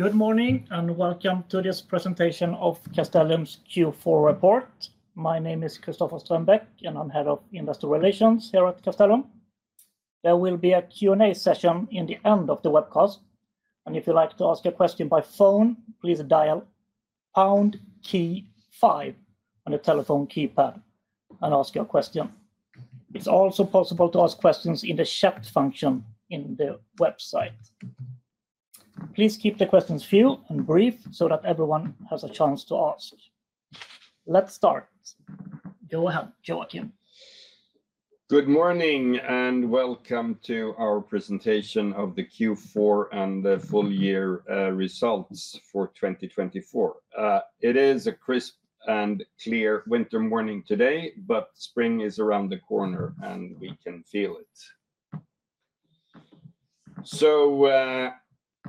Good morning and welcome to this presentation of Castellum's Q4 report. My name is Christoffer Strömbäck, and I'm head of Investor Relations here at Castellum. There will be a Q&A session in the end of the webcast, and if you'd like to ask a question by phone, please dial #5 on the telephone keypad and ask your question. It's also possible to ask questions in the chat function on the website. Please keep the questions few and brief so that everyone has a chance to ask. Let's start. Go ahead, Joacim. Good morning and welcome to our presentation of the Q4 and the full year results for 2024. It is a crisp and clear winter morning today, but spring is around the corner and we can feel it. So,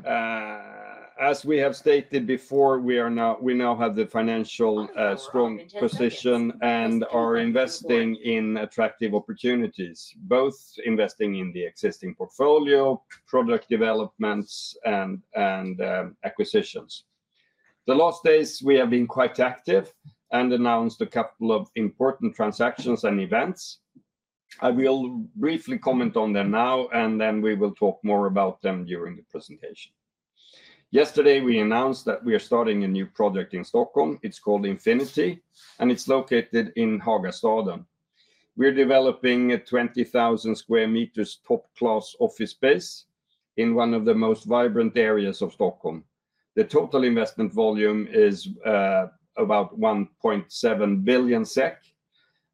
as we have stated before, we now have the financial strong position and are investing in attractive opportunities, both investing in the existing portfolio, project developments, and acquisitions. The last days we have been quite active and announced a couple of important transactions and events. I will briefly comment on them now, and then we will talk more about them during the presentation. Yesterday, we announced that we are starting a new project in Stockholm. It's called Infinity, and it's located in Hagastaden. We're developing a 20,000 sq m top-class office space in one of the most vibrant areas of Stockholm. The total investment volume is about 1.7 billion SEK.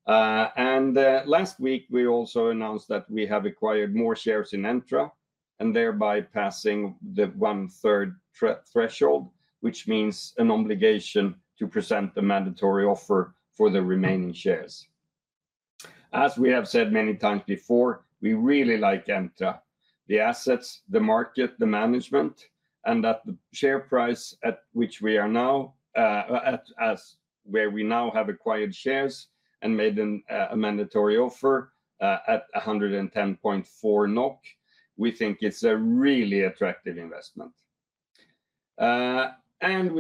Last week, we also announced that we have acquired more shares in Entra and thereby passing the one-third threshold, which means an obligation to present a mandatory offer for the remaining shares. As we have said many times before, we really like Entra, the assets, the market, the management, and that the share price at which we are now, where we now have acquired shares and made a mandatory offer at 110.40 NOK, we think it's a really attractive investment. We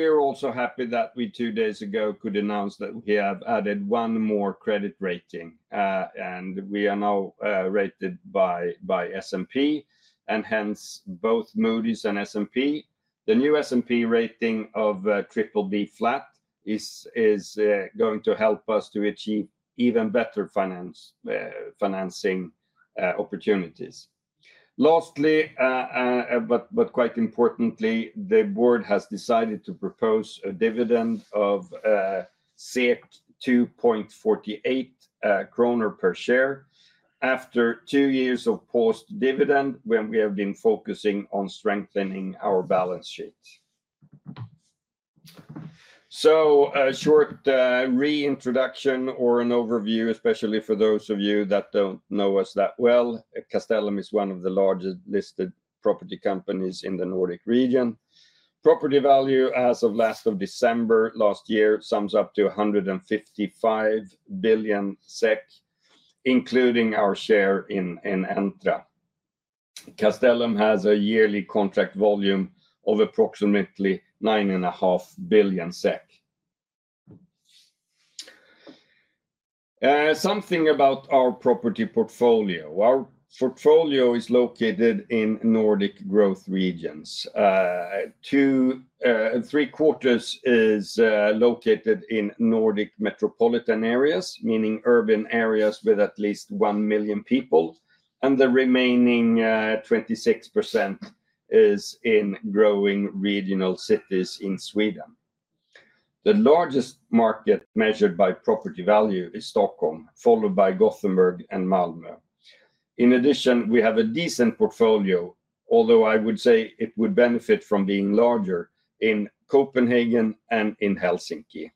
are also happy that we two days ago could announce that we have added one more credit rating, and we are now rated by S&P, and hence both Moody's and S&P. The new S&P rating of BBB flat is going to help us to achieve even better financing opportunities. Lastly, but quite importantly, the board has decided to propose a dividend of 2.48 kronor per share after two years of paused dividend when we have been focusing on strengthening our balance sheet. So, a short reintroduction or an overview, especially for those of you that don't know us that well. Castellum is one of the largest listed property companies in the Nordic region. Property value as of last December last year sums up to 155 billion SEK, including our share in Entra. Castellum has a yearly contract volume of approximately 9.5 billion SEK. Something about our property portfolio. Our portfolio is located in Nordic growth regions. Three quarters is located in Nordic metropolitan areas, meaning urban areas with at least one million people, and the remaining 26% is in growing regional cities in Sweden. The largest market measured by property value is Stockholm, followed by Gothenburg and Malmö. In addition, we have a decent portfolio, although I would say it would benefit from being larger in Copenhagen and in Helsinki,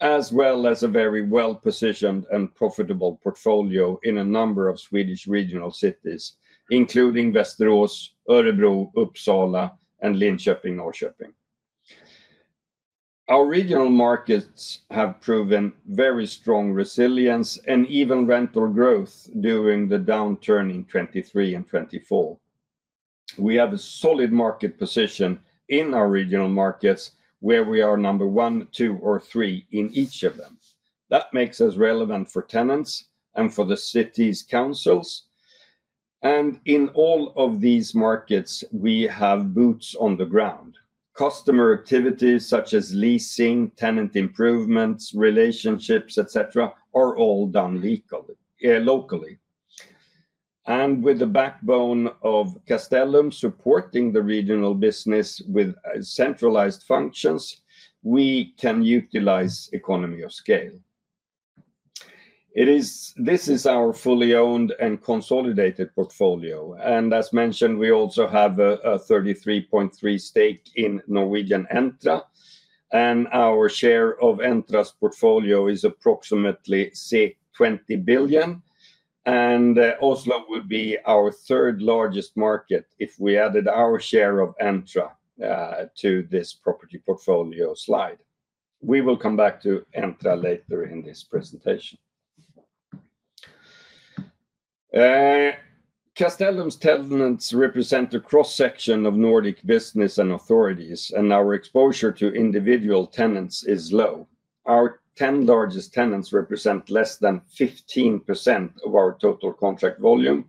as well as a very well-positioned and profitable portfolio in a number of Swedish regional cities, including Västerås, Örebro, Uppsala, and Linköping, Norrköping. Our regional markets have proven very strong resilience and even rental growth during the downturn in 2023 and 2024. We have a solid market position in our regional markets where we are number one, two, or three in each of them. That makes us relevant for tenants and for the city's councils. And in all of these markets, we have boots on the ground. Customer activities such as leasing, tenant improvements, relationships, et cetera, are all done locally. And with the backbone of Castellum supporting the regional business with centralized functions, we can utilize economy of scale. This is our fully owned and consolidated portfolio. As mentioned, we also have a 33.3% stake in Norwegian Entra, and our share of Entra's portfolio is approximately 20 billion. Oslo would be our third largest market if we added our share of Entra to this property portfolio slide. We will come back to Entra later in this presentation. Castellum's tenants represent a cross-section of Nordic business and authorities, and our exposure to individual tenants is low. Our 10 largest tenants represent less than 15% of our total contract volume,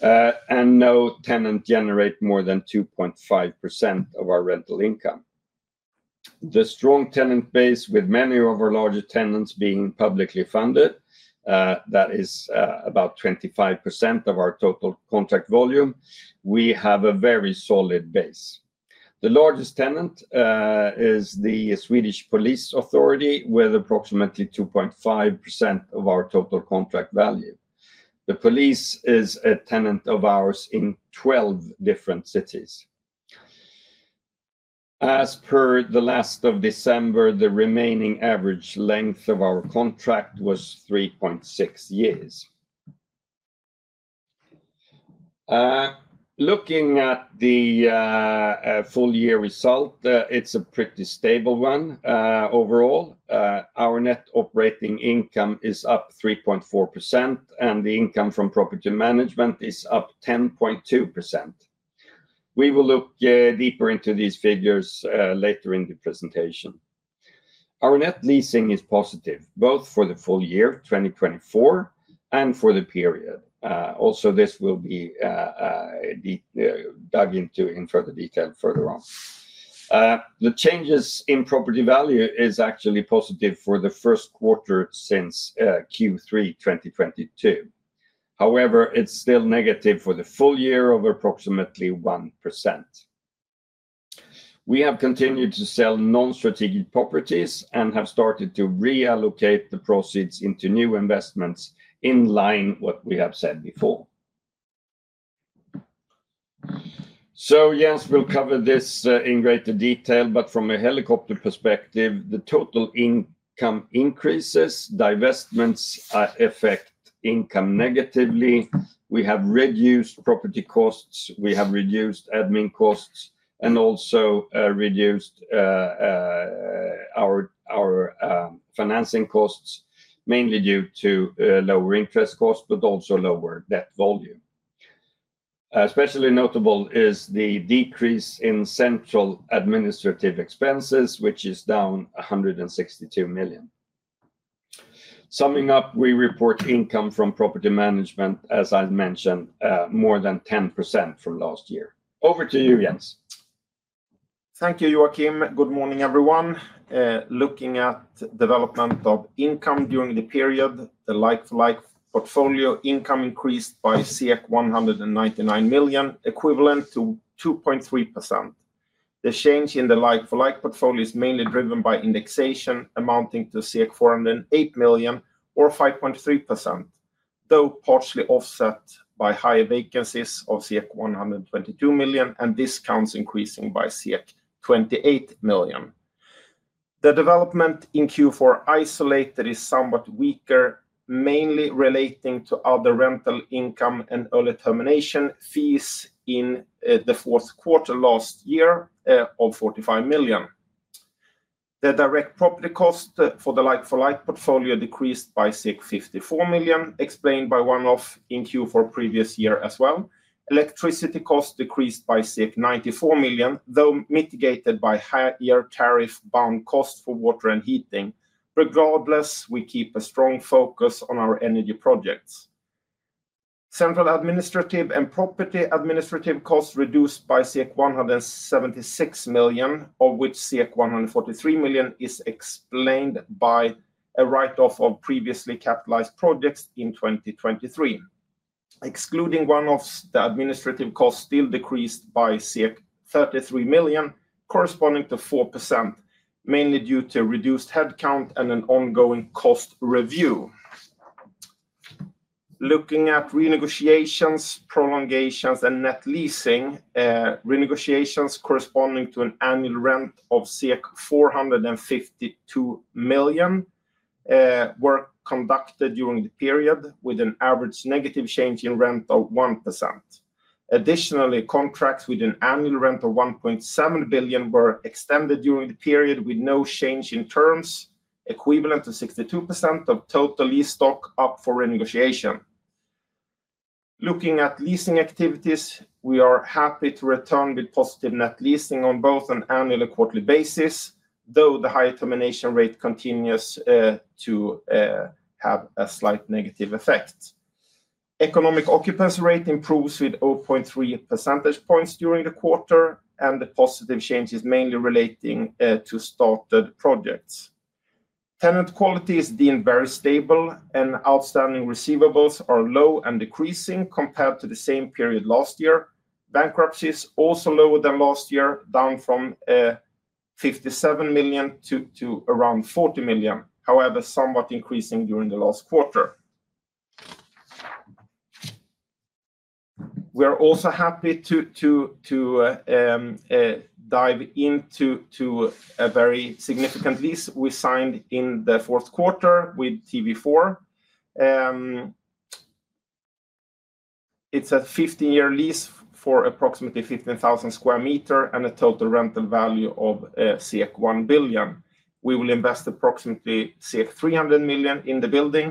and no tenant generates more than 2.5% of our rental income. The strong tenant base, with many of our larger tenants being publicly funded, that is about 25% of our total contract volume, we have a very solid base. The largest tenant is the Swedish Police Authority, with approximately 2.5% of our total contract value. The Police is a tenant of ours in 12 different cities. As of the end of December, the remaining average length of our contract was 3.6 years. Looking at the full year result, it's a pretty stable one overall. Our net operating income is up 3.4%, and the income from property management is up 10.2%. We will look deeper into these figures later in the presentation. Our net leasing is positive, both for the full year, 2024, and for the period. Also, this will be dug into in further detail further on. The changes in property value are actually positive for the first quarter since Q3 2022. However, it's still negative for the full year of approximately 1%. We have continued to sell non-strategic properties and have started to reallocate the proceeds into new investments in line with what we have said before. Jens will cover this in greater detail, but from a helicopter perspective, the total income increases, divestments affect income negatively. We have reduced property costs, we have reduced admin costs, and also reduced our financing costs, mainly due to lower interest costs, but also lower debt volume. Especially notable is the decrease in central administrative expenses, which is down 162 million. Summing up, we report income from property management, as I mentioned, more than 10% from last year. Over to you, Jens. Thank you, Joacim. Good morning, everyone. Looking at development of income during the period, the like-for-like portfolio income increased by 199 million, equivalent to 2.3%. The change in the like-for-like portfolio is mainly driven by indexation amounting to 408 million, or 5.3%, though partially offset by higher vacancies of 122 million and discounts increasing by 28 million. The development in Q4 isolated is somewhat weaker, mainly relating to other rental income and early termination fees in the fourth quarter last year of 45 million. The direct property cost for the like-for-like portfolio decreased by 54 million, explained by one-off in Q4 previous year as well. Electricity costs decreased by 94 million, though mitigated by higher tariff-bound costs for water and heating. Regardless, we keep a strong focus on our energy projects. Central administrative and property administrative costs reduced by 176 million, of which 143 million is explained by a write-off of previously capitalized projects in 2023. Excluding one-offs, the administrative costs still decreased by 33 million, corresponding to 4%, mainly due to reduced headcount and an ongoing cost review. Looking at renegotiations, prolongations, and net leasing, renegotiations corresponding to an annual rent of 452 million were conducted during the period, with an average negative change in rent of 1%. Additionally, contracts with an annual rent of 1.7 billion were extended during the period with no change in terms, equivalent to 62% of total lease stock up for renegotiation. Looking at leasing activities, we are happy to return with positive net leasing on both an annual and quarterly basis, though the higher termination rate continues to have a slight negative effect. Economic occupancy rate improves with 0.3 percentage points during the quarter, and the positive change is mainly relating to started projects. Tenant quality is deemed very stable, and outstanding receivables are low and decreasing compared to the same period last year. Bankruptcies also lower than last year, down from 57 million to around 40 million, however somewhat increasing during the last quarter. We are also happy to dive into a very significant lease we signed in the fourth quarter with TV4. It's a 15-year lease for approximately 15,000 sq m and a total rental value of 1 billion. We will invest approximately 300 million in the building.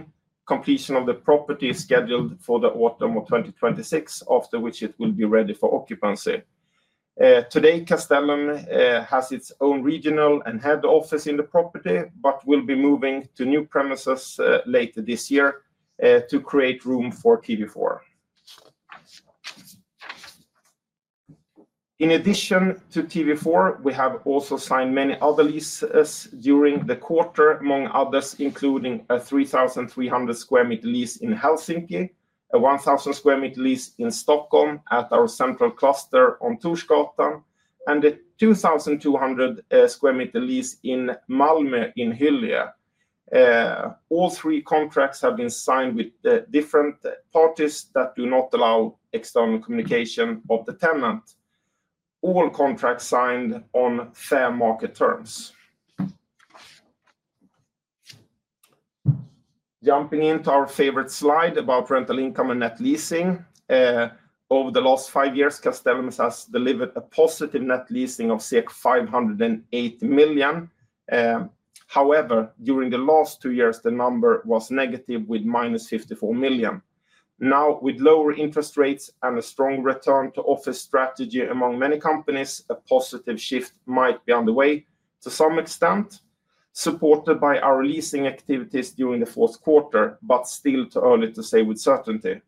Completion of the property is scheduled for the autumn of 2026, after which it will be ready for occupancy. Today, Castellum has its own regional and head office in the property, but will be moving to new premises later this year to create room for TV4. In addition to TV4, we have also signed many other leases during the quarter, among others, including a 3,300 sq m lease in Helsinki, a 1,000 sq m lease in Stockholm at our central cluster on Torsgatan, and a 2,200 sq m lease in Malmö in Hyllie. All three contracts have been signed with different parties that do not allow external communication of the tenant. All contracts signed on fair market terms. Jumping into our favorite slide about rental income and net leasing, over the last five years, Castellum has delivered a positive net leasing of 508 million. However, during the last two years, the number was negative with minus 54 million. Now, with lower interest rates and a strong return to office strategy among many companies, a positive shift might be on the way to some extent, supported by our leasing activities during the fourth quarter, but still too early to say with certainty.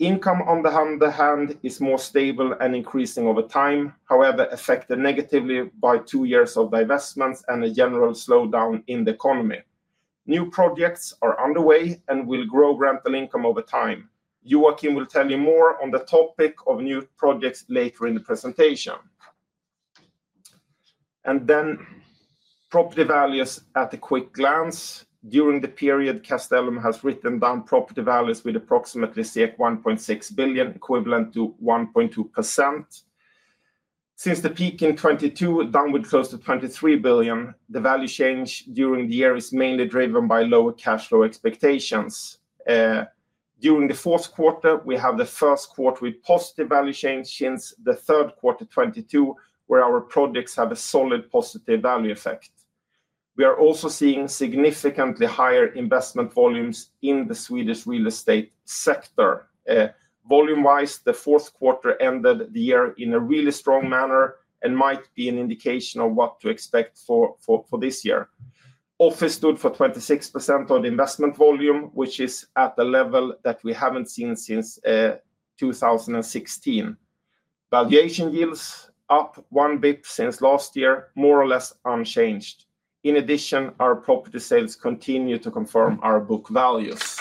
Income on the other hand is more stable and increasing over time, however affected negatively by two years of divestments and a general slowdown in the economy. New projects are underway and will grow rental income over time. Joacim will tell you more on the topic of new projects later in the presentation. Then property values at a quick glance. During the period, Castellum has written down property values with approximately 1.6 billion, equivalent to 1.2%. Since the peak in 2022, downward close to 23 billion, the value change during the year is mainly driven by lower cash flow expectations. During the fourth quarter, we have the first quarter with positive value change since the third quarter 2022, where our projects have a solid positive value effect. We are also seeing significantly higher investment volumes in the Swedish real estate sector. Volume-wise, the fourth quarter ended the year in a really strong manner and might be an indication of what to expect for this year. Office stood for 26% of the investment volume, which is at a level that we haven't seen since 2016. Valuation yields up one basis point since last year, more or less unchanged. In addition, our property sales continue to confirm our book values.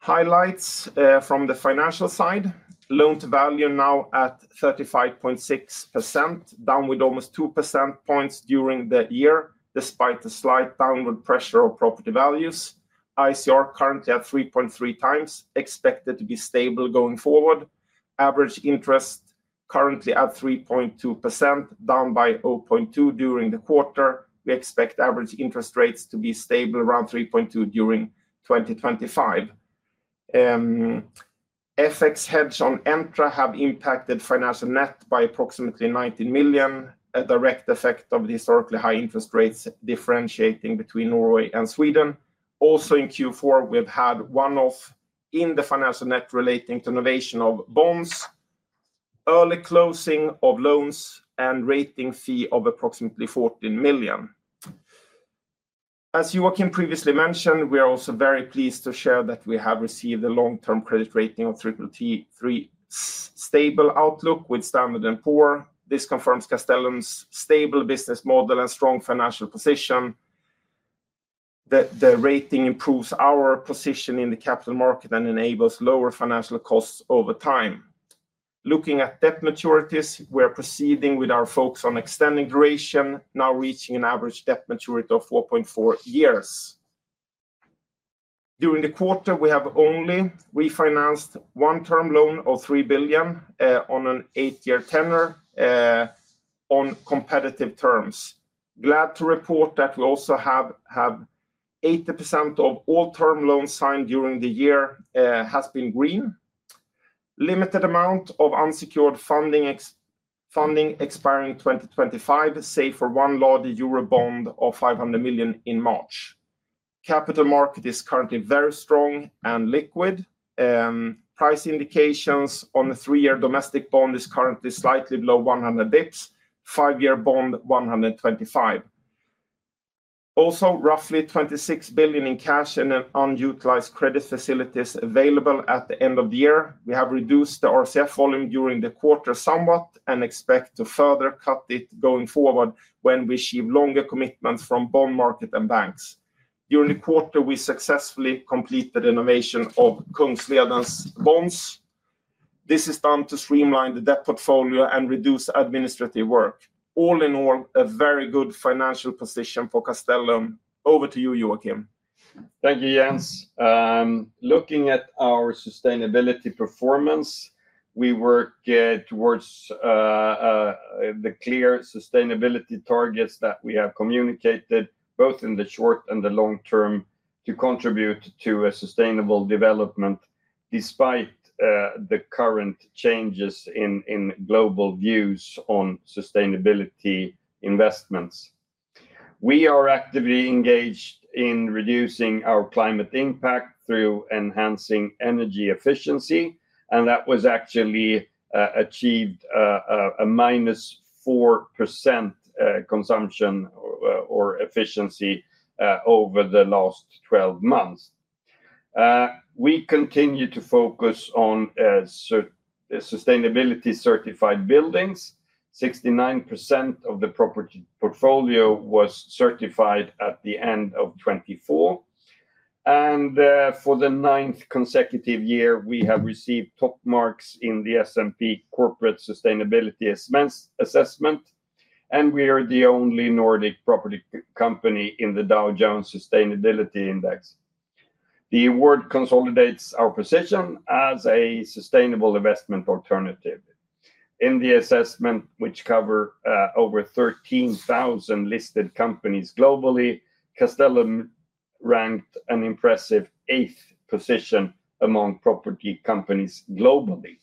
Highlights from the financial side: loan to value now at 35.6%, down with almost 2 percentage points during the year, despite the slight downward pressure of property values. ICR currently at 3.3x, expected to be stable going forward. Average interest currently at 3.2%, down by 0.2 during the quarter. We expect average interest rates to be stable around 3.2 during 2025. FX hedge on Entra has impacted financial net by approximately 19 million, a direct effect of the historically high interest rates differentiating between Norway and Sweden. Also in Q4, we've had one-off in the financial net relating to novation of bonds, early closing of loans, and rating fee of approximately 14 million. As Joacim previously mentioned, we are also very pleased to share that we have received a long-term credit rating of BBB stable outlook from S&P. This confirms Castellum's stable business model and strong financial position. The rating improves our position in the capital market and enables lower financial costs over time. Looking at debt maturities, we are proceeding with our focus on extending duration, now reaching an average debt maturity of 4.4 years. During the quarter, we have only refinanced one term loan of 3 billion on an eight-year tenor on competitive terms. Glad to report that we also have 80% of all term loans signed during the year has been green. Limited amount of unsecured funding expiring 2025, save for one lot of Eurobond of 500 million in March. Capital market is currently very strong and liquid. Price indications on the three-year domestic bond is currently slightly below 100 basis points, five-year bond 125 basis points. Also, roughly 26 billion in cash and unutilized credit facilities available at the end of the year. We have reduced the RCF volume during the quarter somewhat and expect to further cut it going forward when we achieve longer commitments from bond market and banks. During the quarter, we successfully completed novation of Kungsleden's bonds. This is done to streamline the debt portfolio and reduce administrative work. All in all, a very good financial position for Castellum. Over to you, Joacim. Thank you, Jens. Looking at our sustainability performance, we work towards the clear sustainability targets that we have communicated both in the short and the long term to contribute to a sustainable development despite the current changes in global views on sustainability investments. We are actively engaged in reducing our climate impact through enhancing energy efficiency, and that was actually achieved a -4% consumption or efficiency over the last 12 months. We continue to focus on sustainability-certified buildings. 69% of the property portfolio was certified at the end of 2024, and for the ninth consecutive year, we have received top marks in the S&P Corporate Sustainability Assessment, and we are the only Nordic property company in the Dow Jones Sustainability Index. The award consolidates our position as a sustainable investment alternative. In the assessment, which covered over 13,000 listed companies globally, Castellum ranked an impressive eighth position among property companies globally,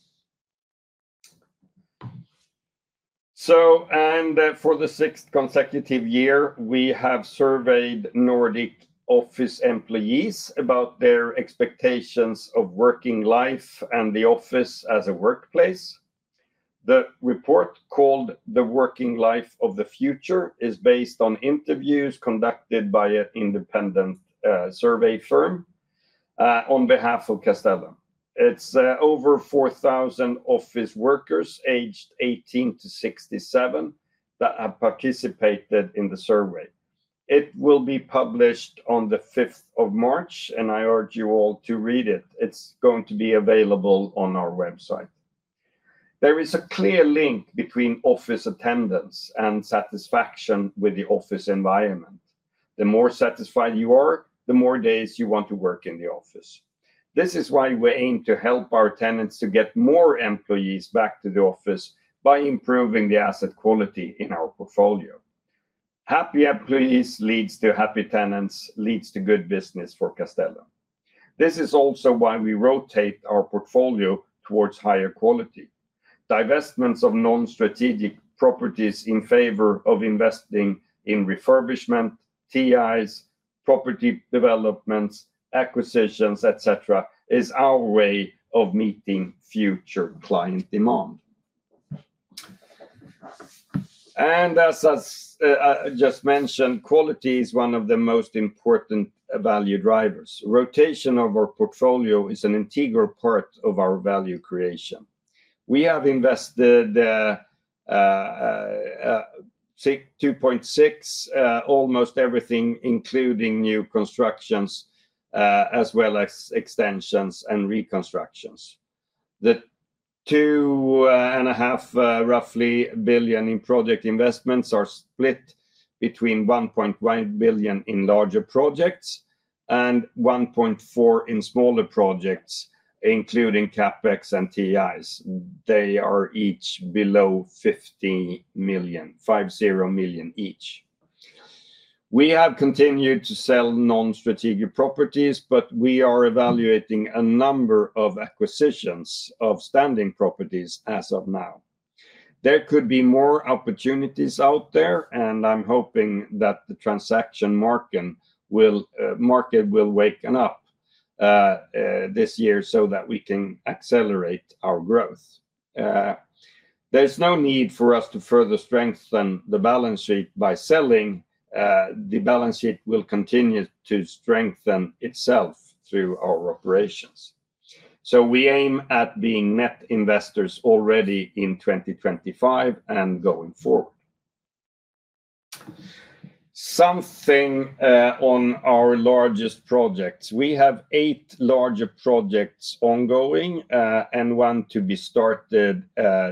and for the sixth consecutive year, we have surveyed Nordic office employees about their expectations of working life and the office as a workplace. The report called The Working Life of the Future is based on interviews conducted by an independent survey firm on behalf of Castellum. It's over 4,000 office workers aged 18 to 67 that have participated in the survey. It will be published on the 5th of March, and I urge you all to read it. It's going to be available on our website. There is a clear link between office attendance and satisfaction with the office environment. The more satisfied you are, the more days you want to work in the office. This is why we aim to help our tenants to get more employees back to the office by improving the asset quality in our portfolio. Happy employees lead to happy tenants, lead to good business for Castellum. This is also why we rotate our portfolio towards higher quality. Divestments of non-strategic properties in favor of investing in refurbishment, TIs, property developments, acquisitions, etc., is our way of meeting future client demand, and as I just mentioned, quality is one of the most important value drivers. Rotation of our portfolio is an integral part of our value creation. We have invested 2.6 billion, almost everything, including new constructions, as well as extensions and reconstructions. The roughly 2.5 billion in project investments are split between 1.1 billion in larger projects and 1.4 billion in smaller projects, including CapEx and TIs. They are each below 50 million, 50 million each. We have continued to sell non-strategic properties, but we are evaluating a number of acquisitions of standing properties as of now. There could be more opportunities out there, and I'm hoping that the transaction market will wake up this year so that we can accelerate our growth. There's no need for us to further strengthen the balance sheet by selling. The balance sheet will continue to strengthen itself through our operations. So we aim at being net investors already in 2025 and going forward. Something on our largest projects. We have eight larger projects ongoing and one to be started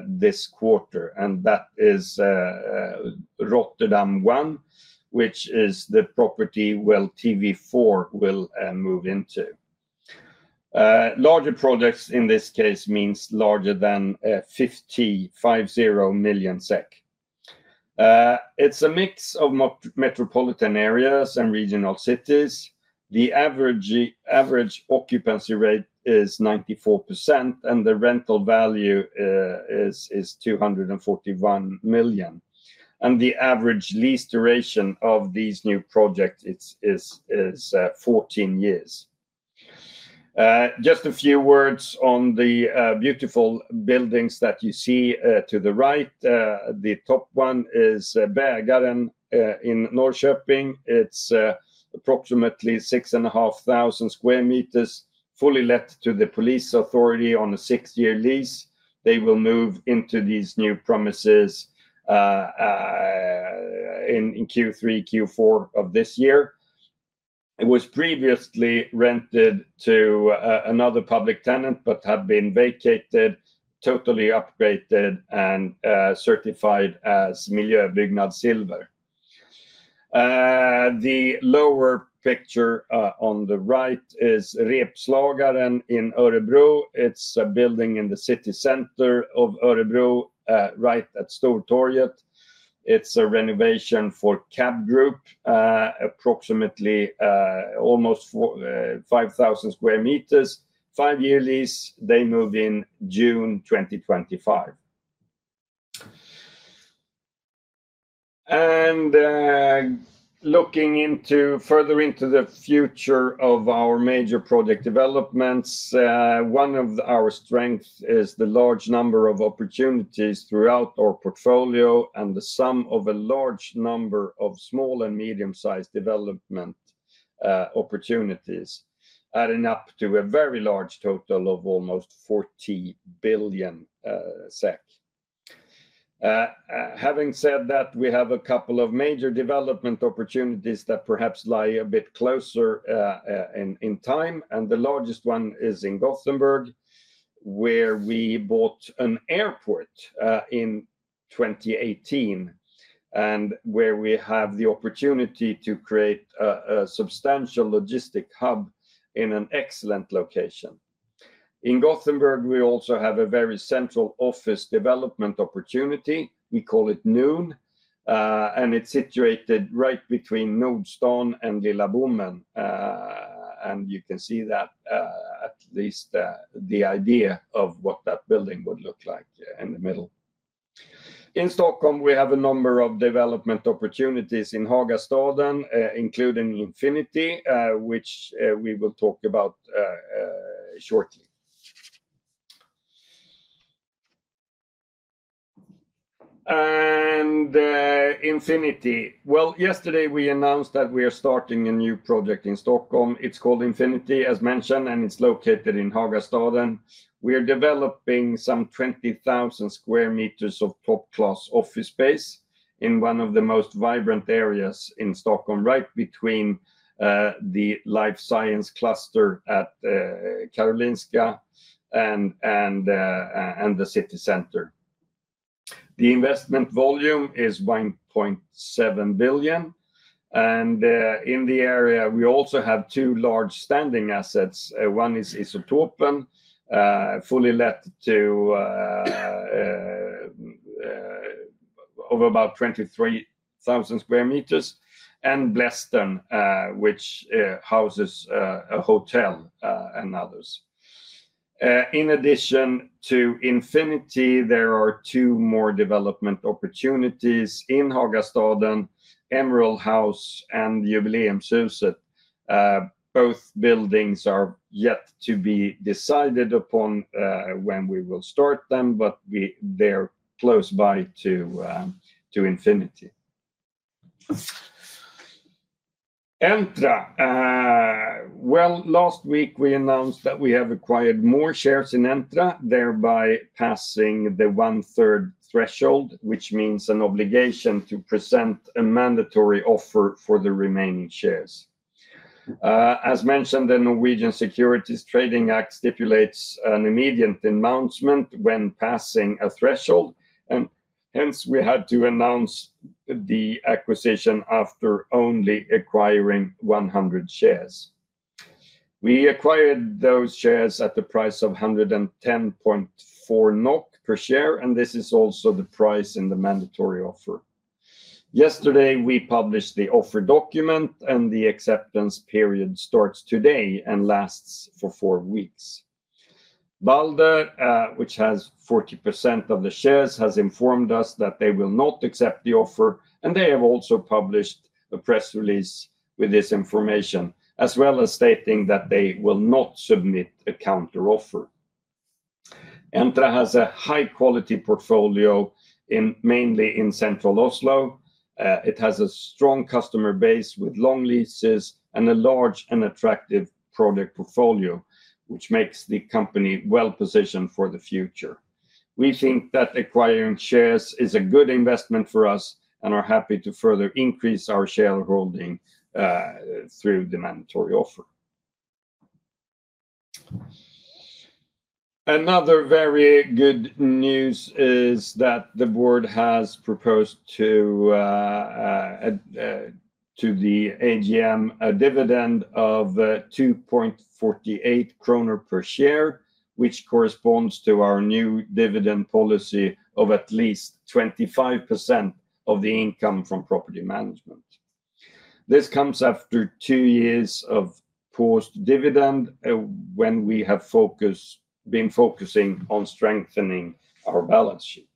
this quarter, and that is Rotterdam 1, which is the property where TV4 will move into. Larger projects in this case means larger than 50 million SEK. It's a mix of metropolitan areas and regional cities. The average occupancy rate is 94%, and the rental value is 241 million SEK. The average lease duration of these new projects is 14 years. Just a few words on the beautiful buildings that you see to the right. The top one is Bägaren in Norrköping. It's approximately 6,500 sq m, fully let to the police authority on a six-year lease. They will move into these new premises in Q3, Q4 of this year. It was previously rented to another public tenant, but had been vacated, totally upgraded, and certified as Miljöbyggnad Silver. The lower picture on the right is Repslagaren in Örebro. It's a building in the city center of Örebro, right at Stortorget. It's a renovation for CAB Group, approximately almost 5,000 sq m, five-year lease. They move in June 2025. Looking further into the future of our major project developments, one of our strengths is the large number of opportunities throughout our portfolio and the sum of a large number of small and medium-sized development opportunities adding up to a very large total of almost 40 billion SEK. Having said that, we have a couple of major development opportunities that perhaps lie a bit closer in time. The largest one is in Gothenburg, where we bought an airport in 2018 and where we have the opportunity to create a substantial logistic hub in an excellent location. In Gothenburg, we also have a very central office development opportunity. We call it Noon, and it's situated right between Nordstan and Lilla Bommen. You can see that at least the idea of what that building would look like in the middle. In Stockholm, we have a number of development opportunities in Hagastaden, including Infinity, which we will talk about shortly. Infinity. Yesterday we announced that we are starting a new project in Stockholm. It's called Infinity, as mentioned, and it's located in Hagastaden. We are developing some 20,000 sq m of top-class office space in one of the most vibrant areas in Stockholm, right between the life science cluster at Karolinska and the city center. The investment volume is 1.7 billion. In the area, we also have two large standing assets. One is Isotopen, fully let to over about 23,000 sq m, and Blästern, which houses a hotel and others. In addition to Infinity, there are two more development opportunities in Hagastaden, Emerald House and Jubileumshuset. Both buildings are yet to be decided upon when we will start them, but they're close by to Infinity. Entra. Last week we announced that we have acquired more shares in Entra, thereby passing the one-third threshold, which means an obligation to present a mandatory offer for the remaining shares. As mentioned, the Norwegian Securities Trading Act stipulates an immediate announcement when passing a threshold, and hence we had to announce the acquisition after only acquiring 100 shares. We acquired those shares at the price of 110.4 per share, and this is also the price in the mandatory offer. Yesterday, we published the offer document, and the acceptance period starts today and lasts for four weeks. Balder, which has 40% of the shares, has informed us that they will not accept the offer, and they have also published a press release with this information, as well as stating that they will not submit a counteroffer. Entra has a high-quality portfolio, mainly in central Oslo. It has a strong customer base with long leases and a large and attractive product portfolio, which makes the company well-positioned for the future. We think that acquiring shares is a good investment for us and are happy to further increase our shareholding through the mandatory offer. Another very good news is that the board has proposed to the AGM a dividend of 2.48 kronor per share, which corresponds to our new dividend policy of at least 25% of the income from property management. This comes after two years of paused dividend when we have been focusing on strengthening our balance sheet,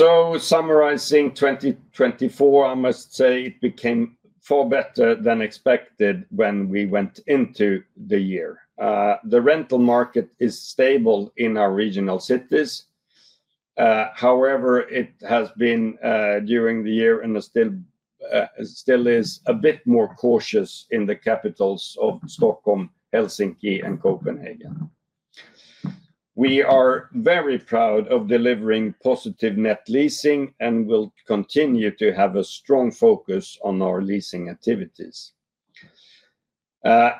so summarizing 2024, I must say it became far better than expected when we went into the year. The rental market is stable in our regional cities. However, it has been during the year and still is a bit more cautious in the capitals of Stockholm, Helsinki, and Copenhagen. We are very proud of delivering positive net leasing and will continue to have a strong focus on our leasing activities.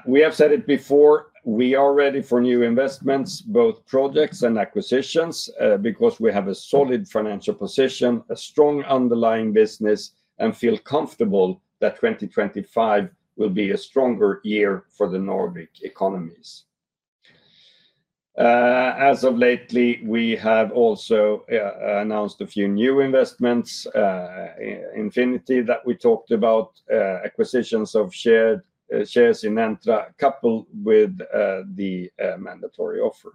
We have said it before. We are ready for new investments, both projects and acquisitions, because we have a solid financial position, a strong underlying business, and feel comfortable that 2025 will be a stronger year for the Nordic economies. As of lately, we have also announced a few new investments, Infinity that we talked about, acquisitions of shares in Entra coupled with the mandatory offer.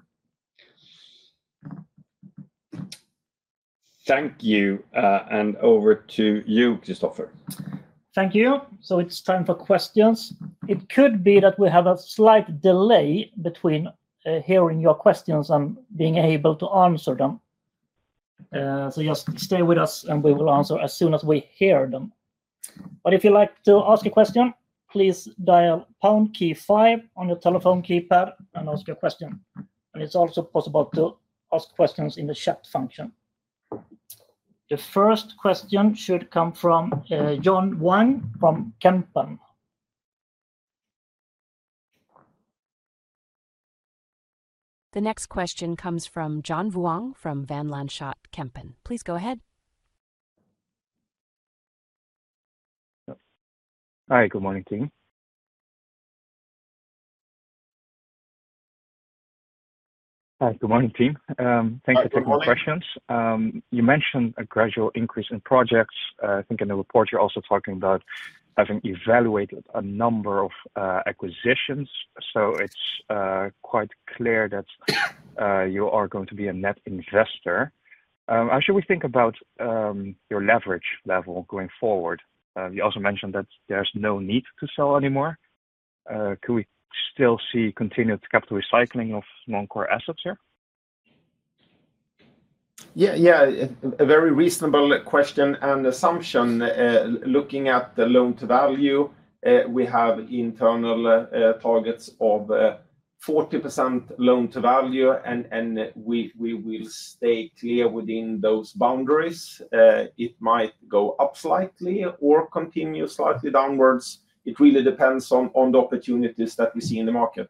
Thank you, and over to you, Christoffer. Thank you. So it's time for questions. It could be that we have a slight delay between hearing your questions and being able to answer them. Just stay with us, and we will answer as soon as we hear them. But if you'd like to ask a question, please dial pound key five on your telephone keypad and ask your question. And it's also possible to ask questions in the chat function. The first question should come from John Vuong from Van Lanschot Kempen. The next question comes from John Vuong from Van Lanschot Kempen. Please go ahead. Hi, good morning, team. Thank you for taking my questions. You mentioned a gradual increase in projects. I think in the report you're also talking about having evaluated a number of acquisitions. So it's quite clear that you are going to be a net investor. How should we think about your leverage level going forward? You also mentioned that there's no need to sell anymore. Could we still see continued capital recycling of non-core assets here? Yeah, yeah, a very reasonable question and assumption. Looking at the loan to value, we have internal targets of 40% loan to value, and we will stay clear within those boundaries. It might go up slightly or continue slightly downwards. It really depends on the opportunities that we see in the market.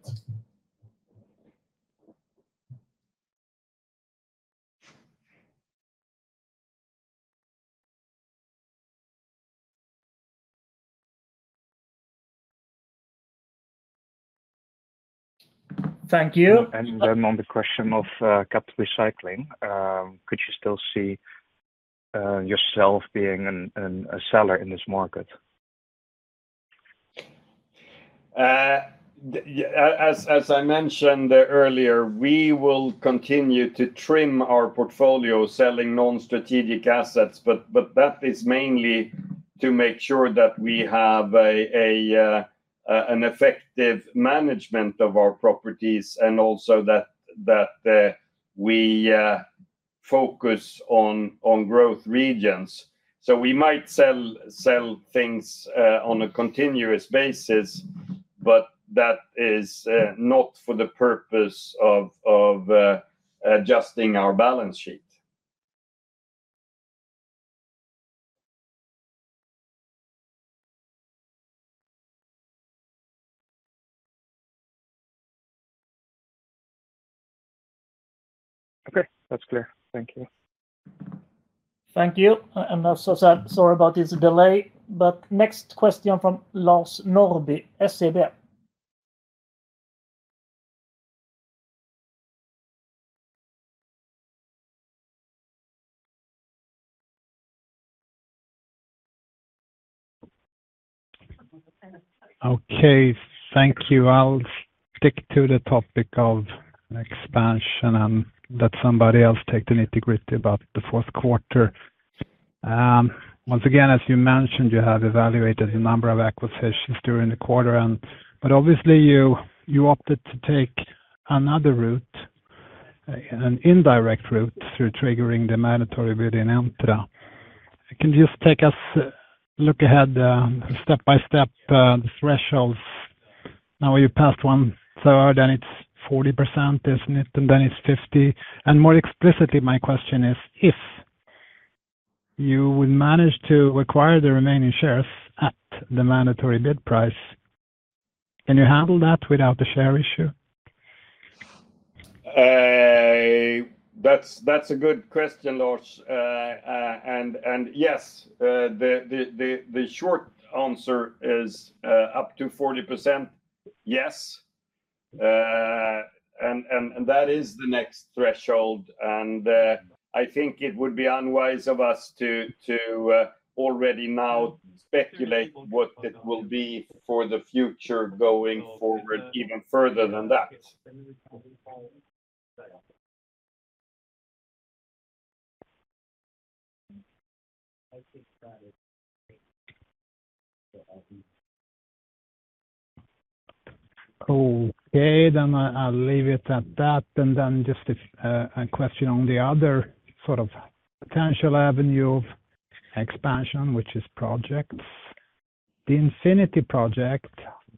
Thank you. And then on the question of capital recycling, could you still see yourself being a seller in this market? As I mentioned earlier, we will continue to trim our portfolio selling non-strategic assets, but that is mainly to make sure that we have an effective management of our properties and also that we focus on growth regions. So we might sell things on a continuous basis, but that is not for the purpose of adjusting our balance sheet. Okay, that's clear. Thank you. Thank you. And as I said, sorry about this delay. But next question from Lars Norrby, SEB. Okay, thank you. I'll stick to the topic of expansion and let somebody else take the nitty-gritty about the fourth quarter. Once again, as you mentioned, you have evaluated a number of acquisitions during the quarter, but obviously you opted to take another route, an indirect route through triggering the mandatory bid in Entra. Can you just take us a look ahead, step by step, the thresholds? Now you passed one-third and it's 40%, isn't it? And then it's 50. And more explicitly, my question is, if you would manage to acquire the remaining shares at the mandatory bid price, can you handle that without the share issue? That's a good question, Lars. And yes, the short answer is up to 40%, yes. And that is the next threshold. And I think it would be unwise of us to already now speculate what it will be for the future going forward, even further than that. Okay, then I'll leave it at that. And then just a question on the other sort of potential avenue of expansion, which is projects. The Infinity project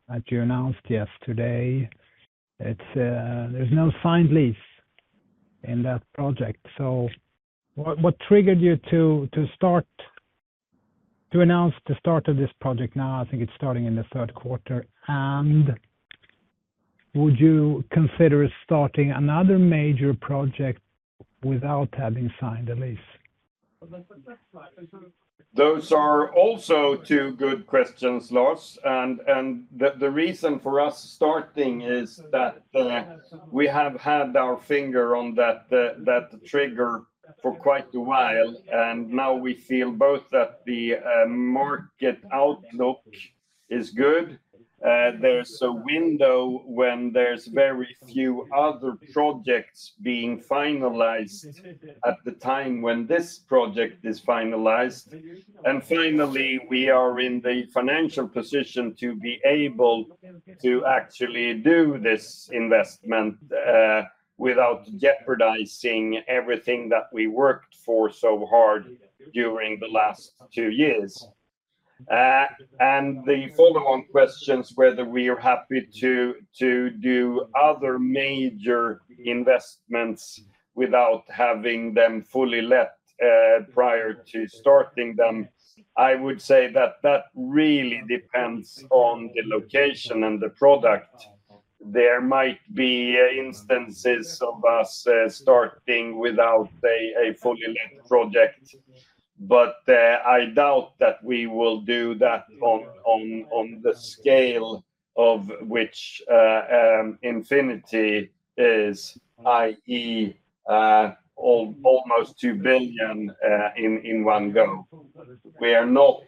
that you announced yesterday, there's no signed lease in that project. So what triggered you to announce the start of this project now? I think it's starting in the third quarter. And would you consider starting another major project without having signed a lease? Those are also two good questions, Lars. And the reason for us starting is that we have had our finger on that trigger for quite a while. And now we feel both that the market outlook is good. There's a window when there's very few other projects being finalized at the time when this project is finalized. And finally, we are in the financial position to be able to actually do this investment without jeopardizing everything that we worked for so hard during the last two years. And the follow-on question is whether we are happy to do other major investments without having them fully let prior to starting them. I would say that that really depends on the location and the product. There might be instances of us starting without a fully let project, but I doubt that we will do that on the scale of which Infinity is, i.e., almost 2 billion in one go. We are not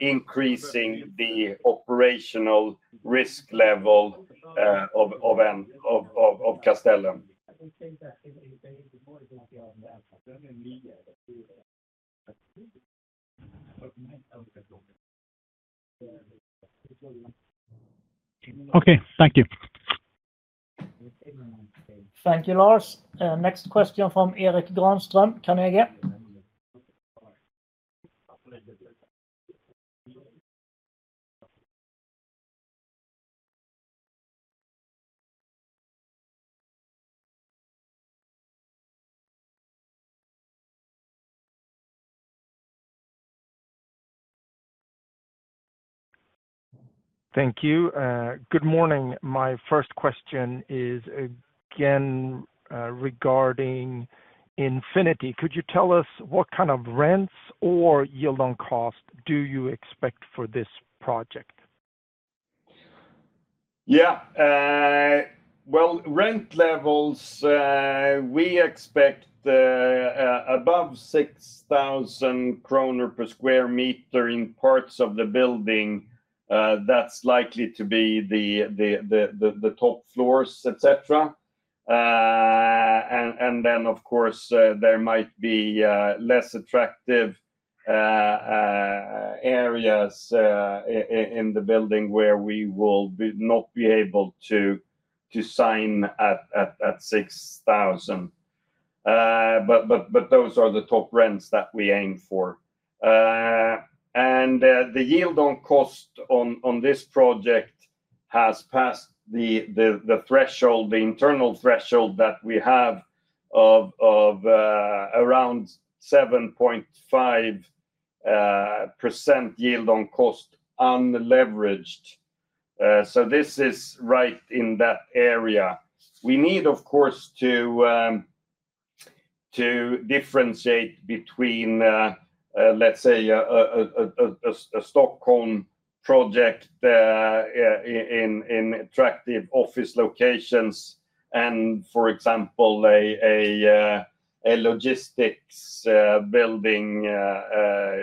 increasing the operational risk level of Castellum. Okay, thank you. Thank you, Lars. Next question from Erik Granström, Carnegie. Thank you. Good morning. My first question is again regarding Infinity. Could you tell us what kind of rents or yield on cost do you expect for this project? Yeah. Well, rent levels. We expect above 6,000 kronor per sq m in parts of the building. That's likely to be the top floors, etc. And then, of course, there might be less attractive areas in the building where we will not be able to sign at 6,000. But those are the top rents that we aim for. And the yield on cost on this project has passed the threshold, the internal threshold that we have of around 7.5% yield on cost unleveraged. So this is right in that area. We need, of course, to differentiate between, let's say, a Stockholm project in attractive office locations and, for example, a logistics building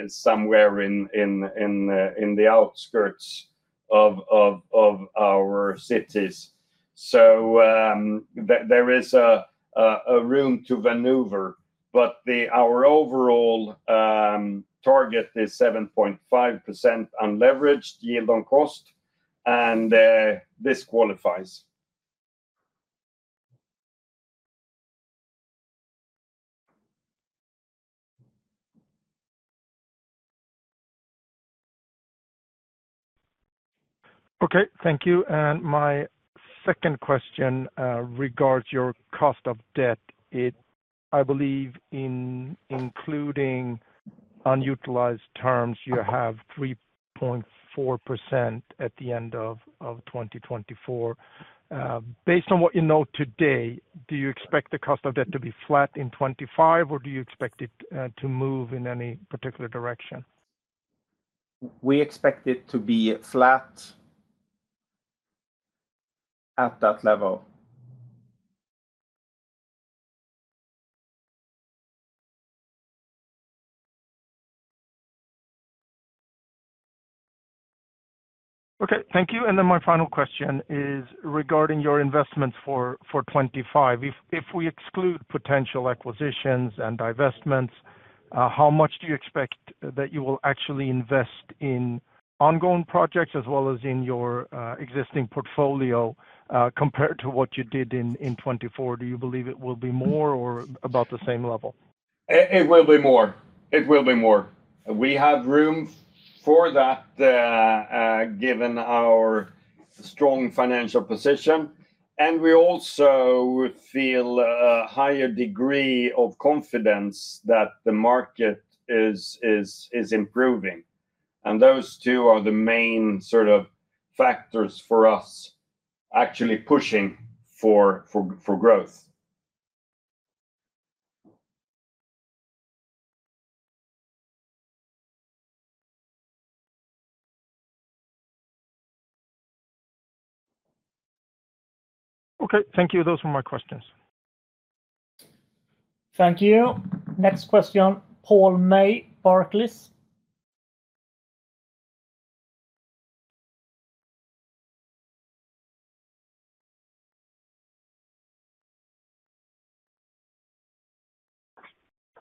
somewhere in the outskirts of our cities. So there is a room to maneuver, but our overall target is 7.5% unleveraged yield on cost, and this qualifies. Okay, thank you. And my second question regards your cost of debt. I believe in including unutilized terms, you have 3.4% at the end of 2024. Based on what you know today, do you expect the cost of debt to be flat in 2025, or do you expect it to move in any particular direction? We expect it to be flat at that level. Okay, thank you. And then my final question is regarding your investments for 2025. If we exclude potential acquisitions and divestments, how much do you expect that you will actually invest in ongoing projects as well as in your existing portfolio compared to what you did in 2024? Do you believe it will be more or about the same level? It will be more. It will be more. We have room for that given our strong financial position. And we also feel a higher degree of confidence that the market is improving. And those two are the main sort of factors for us actually pushing for growth. Okay, thank you. Those were my questions. Thank you. Next question, Paul May, Barclays.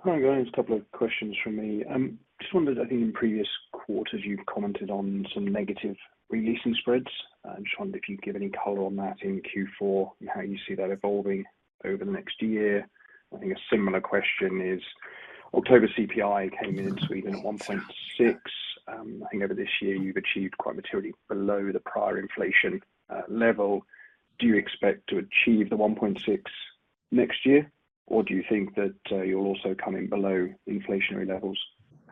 I'm going to have a couple of questions from me. I just wondered, I think in previous quarters, you've commented on some negative releasing spreads. I just wondered if you'd give any color on that in Q4 and how you see that evolving over the next year. I think a similar question is October CPI came in in Sweden at 1.6. I think over this year, you've achieved quite materially below the prior inflation level. Do you expect to achieve the 1.6 next year, or do you think that you'll also come in below inflationary levels?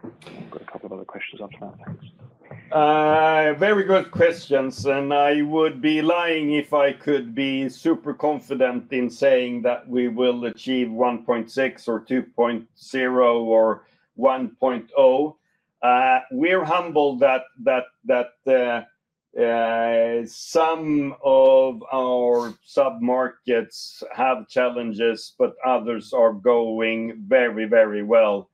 I've got a couple of other questions after that. Thanks. Very good questions, and I would be lying if I could be super confident in saying that we will achieve 1.6 or 2.0 or 1.0. We're humbled that some of our sub-markets have challenges, but others are going very, very well.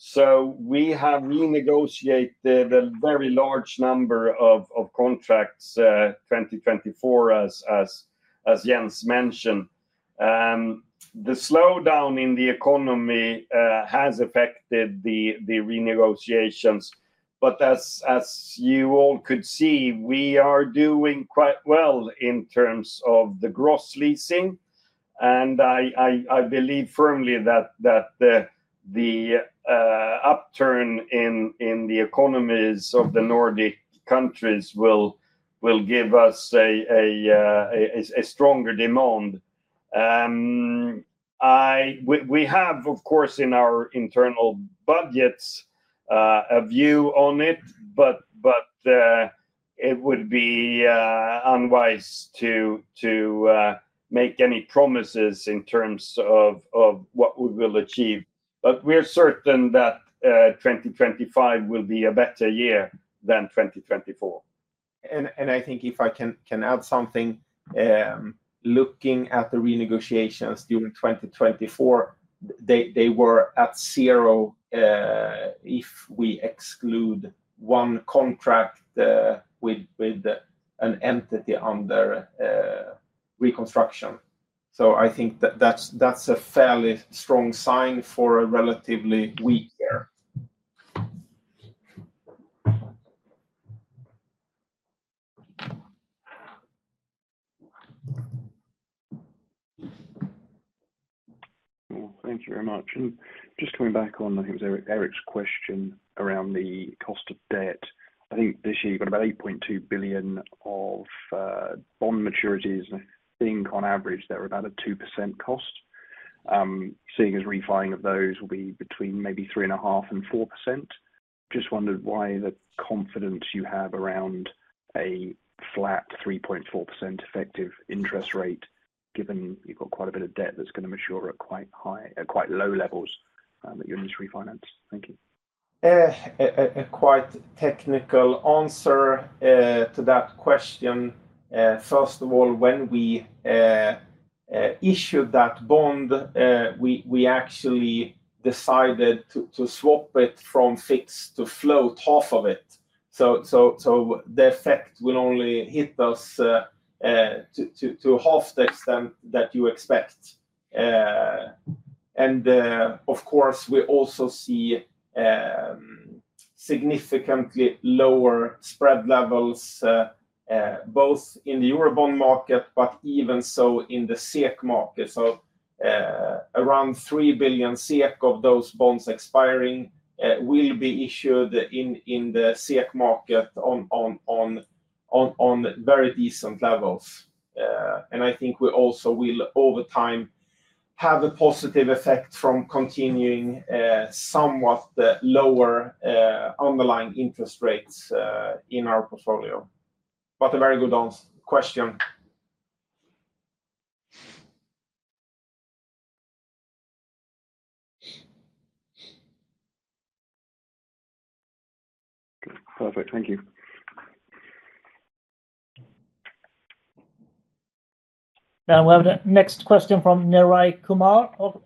So we have renegotiated a very large number of contracts 2024, as Jens mentioned. The slowdown in the economy has affected the renegotiations. But as you all could see, we are doing quite well in terms of the gross leasing, and I believe firmly that the upturn in the economies of the Nordic countries will give us a stronger demand. We have, of course, in our internal budgets, a view on it, but it would be unwise to make any promises in terms of what we will achieve. But we're certain that 2025 will be a better year than 2024. And I think if I can add something, looking at the renegotiations during 2024, they were at zero if we exclude one contract with an entity under reconstruction. So I think that's a fairly strong sign for a relatively weak year. Thank you very much. And just coming back on, I think it was Erik's question around the cost of debt. I think this year you've got about 8.2 billion of bond maturities, and I think on average they're about a 2% cost. Seeing as refining of those will be between maybe 3.5% and 4%, just wondered why the confidence you have around a flat 3.4% effective interest rate, given you've got quite a bit of debt that's going to mature at quite low levels that you'll need to refinance. Thank you. A quite technical answer to that question. First of all, when we issued that bond, we actually decided to swap it from fixed to float, half of it. So the effect will only hit us to half the extent that you expect. And of course, we also see significantly lower spread levels, both in the Eurobond market, but even so in the SEK market. So around 3 billion SEK of those bonds expiring will be issued in the SEK market on very decent levels. And I think we also will, over time, have a positive effect from continuing somewhat lower underlying interest rates in our portfolio. But a very good question. Perfect. Thank you. And we have the next question from Niraj Kumar of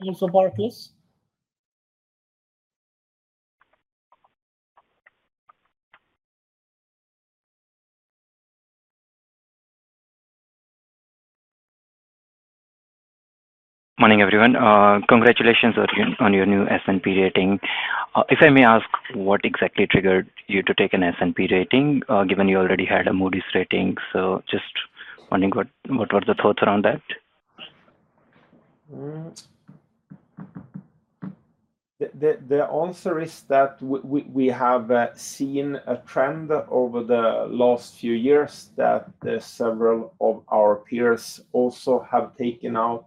Barclays. Morning, everyone. Congratulations on your new S&P rating. If I may ask, what exactly triggered you to take an S&P rating, given you already had a Moody's rating? So just wondering what were the thoughts around that? The answer is that we have seen a trend over the last few years that several of our peers also have taken out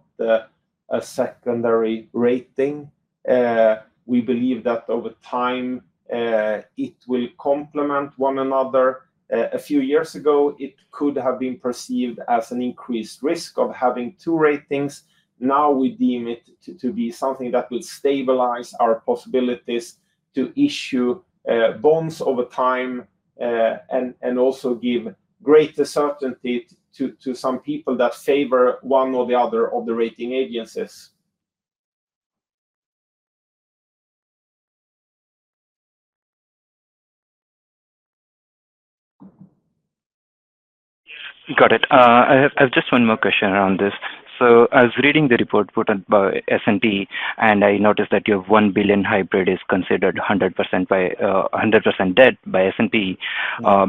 a secondary rating. We believe that over time, it will complement one another. A few years ago, it could have been perceived as an increased risk of having two ratings. Now we deem it to be something that will stabilize our possibilities to issue bonds over time and also give greater certainty to some people that favor one or the other of the rating agencies. Got it. I have just one more question around this. So I was reading the report put out by S&P, and I noticed that your 1 billion hybrid is considered 100% debt by S&P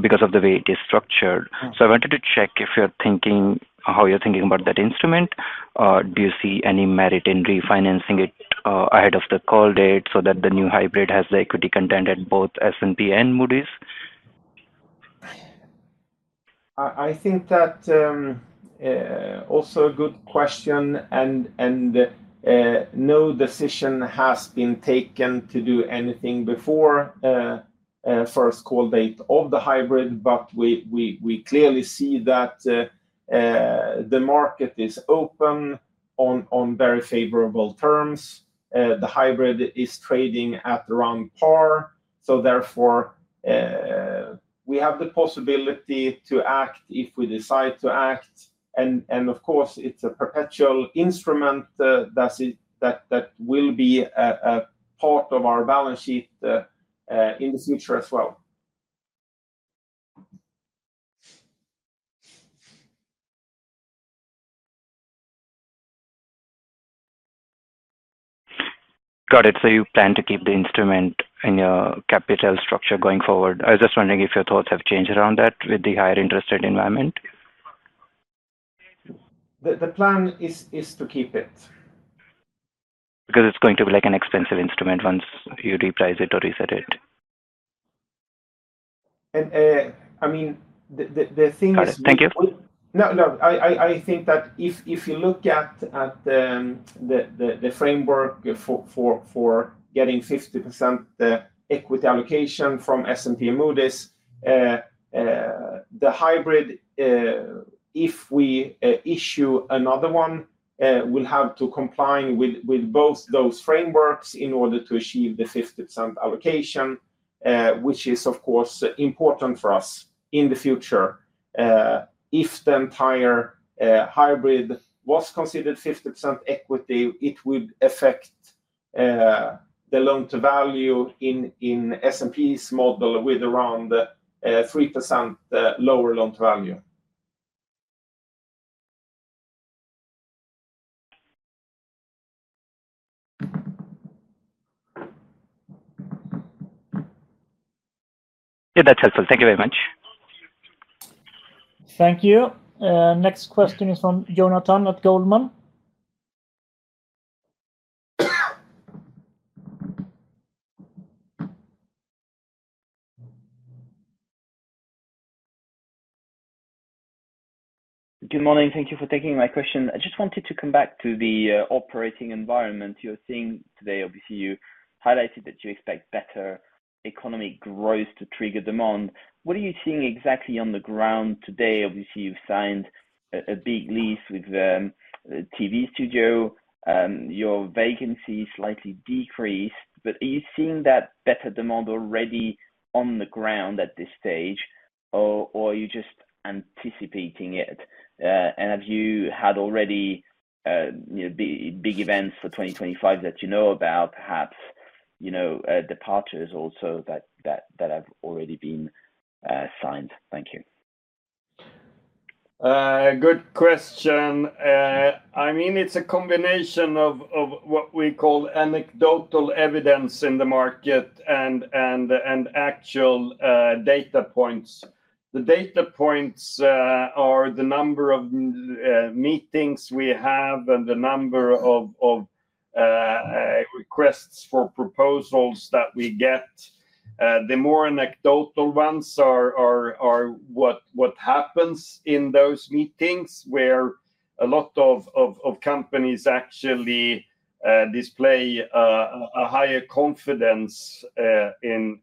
because of the way it is structured. So I wanted to check if you're thinking how you're thinking about that instrument. Do you see any merit in refinancing it ahead of the call date so that the new hybrid has the equity content at both S&P and Moody's? I think that also a good question, and no decision has been taken to do anything before first call date of the hybrid, but we clearly see that the market is open on very favorable terms. The hybrid is trading at around par, so therefore, we have the possibility to act if we decide to act, and of course, it's a perpetual instrument that will be a part of our balance sheet in the future as well. Got it. So you plan to keep the instrument in your capital structure going forward. I was just wondering if your thoughts have changed around that with the higher interest rate environment. The plan is to keep it. Because it's going to be like an expensive instrument once you reprice it or reset it. And I mean, the thing is that. Thank you. No, no. I think that if you look at the framework for getting 50% equity allocation from S&P and Moody's, the hybrid, if we issue another one, will have to comply with both those frameworks in order to achieve the 50% allocation, which is, of course, important for us in the future. If the entire hybrid was considered 50% equity, it would affect the loan-to-value in S&P's model with around 3% lower loan-to-value. Yeah, that's helpful. Thank you very much. Thank you. Next question is from Jonathan at Goldman. Good morning. Thank you for taking my question. I just wanted to come back to the operating environment you're seeing today. Obviously, you highlighted that you expect better economic growth to trigger demand. What are you seeing exactly on the ground today? Obviously, you've signed a big lease with TV4. Your vacancy slightly decreased. But are you seeing that better demand already on the ground at this stage, or are you just anticipating it? And have you had already big events for 2025 that you know about, perhaps departures also that have already been signed? Thank you. Good question. I mean, it's a combination of what we call anecdotal evidence in the market and actual data points. The data points are the number of meetings we have and the number of requests for proposals that we get. The more anecdotal ones are what happens in those meetings where a lot of companies actually display a higher confidence in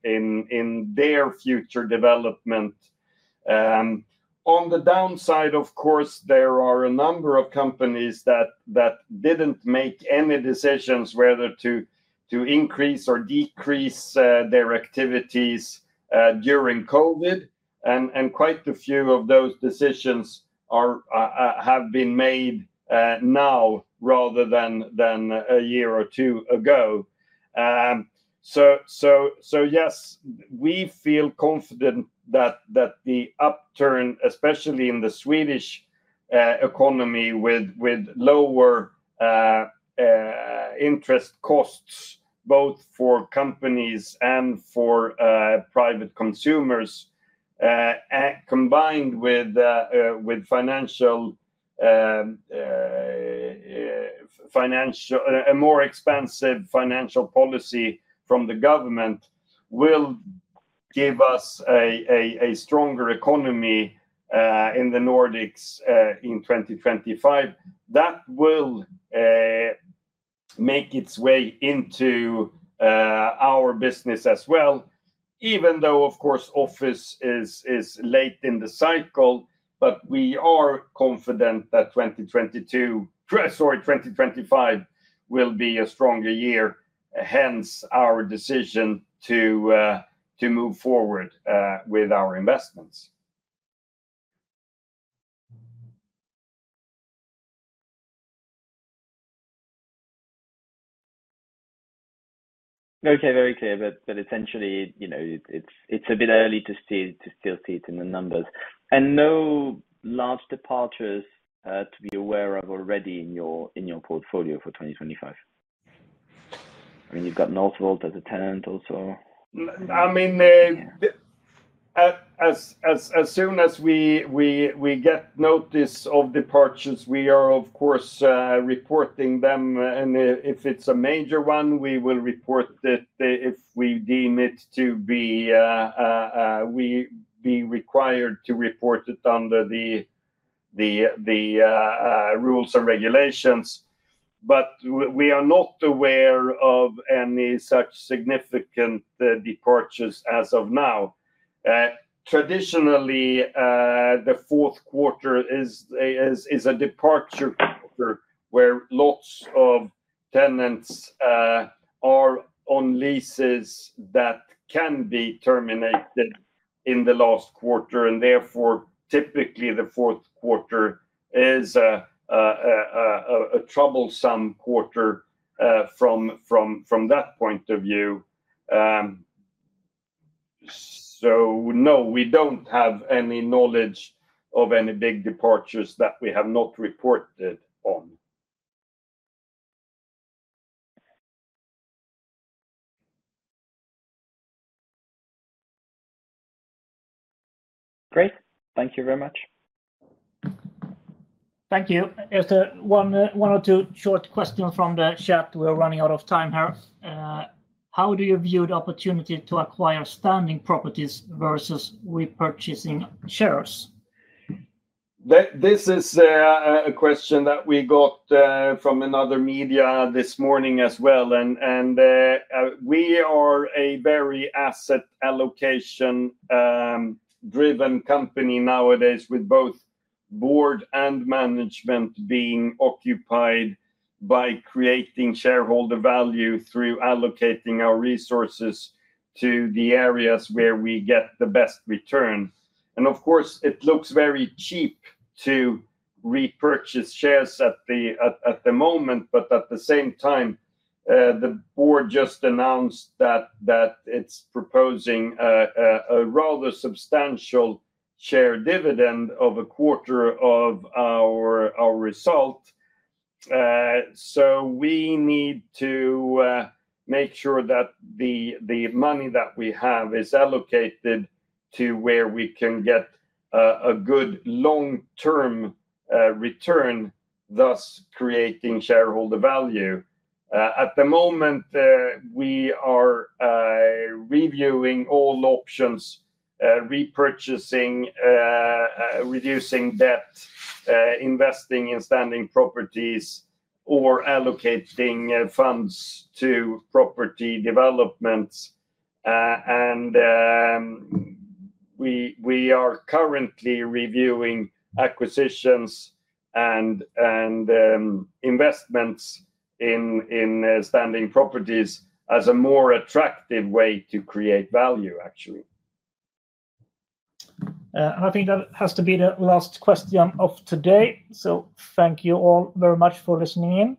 their future development. On the downside, of course, there are a number of companies that didn't make any decisions whether to increase or decrease their activities during COVID. And quite a few of those decisions have been made now rather than a year or two ago. Yes, we feel confident that the upturn, especially in the Swedish economy with lower interest costs both for companies and for private consumers, combined with a more expensive financial policy from the government, will give us a stronger economy in the Nordics in 2025. That will make its way into our business as well. Even though, of course, office is late in the cycle, but we are confident that 2022, sorry, 2025 will be a stronger year. Hence our decision to move forward with our investments. Okay, very clear. But essentially, it's a bit early to still see it in the numbers. And no large departures to be aware of already in your portfolio for 2025? I mean, you've got Northvolt as a tenant also. I mean, as soon as we get notice of departures, we are, of course, reporting them. And if it's a major one, we will report it. If we deem it to be required to report it under the rules and regulations. But we are not aware of any such significant departures as of now. Traditionally, the fourth quarter is a departure quarter where lots of tenants are on leases that can be terminated in the last quarter. And therefore, typically, the fourth quarter is a troublesome quarter from that point of view. So no, we don't have any knowledge of any big departures that we have not reported on. Great. Thank you very much. Thank you. Just one or two short questions from the chat. We're running out of time here. How do you view the opportunity to acquire standing properties versus repurchasing shares? This is a question that we got from another media this morning as well. And we are a very asset allocation-driven company nowadays, with both board and management being occupied by creating shareholder value through allocating our resources to the areas where we get the best return. And of course, it looks very cheap to repurchase shares at the moment. But at the same time, the board just announced that it's proposing a rather substantial share dividend of a quarter of our result. So we need to make sure that the money that we have is allocated to where we can get a good long-term return, thus creating shareholder value. At the moment, we are reviewing all options: repurchasing, reducing debt, investing in standing properties, or allocating funds to property developments. And we are currently reviewing acquisitions and investments in standing properties as a more attractive way to create value, actually. And I think that has to be the last question of today. Thank you all very much for listening in.